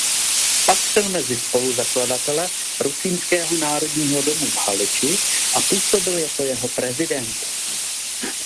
Patřil mezi spoluzakladatele rusínského národního domu v Haliči a působil jako jeho prezident.